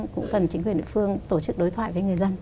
cũng cần chính quyền địa phương tổ chức đối thoại với người dân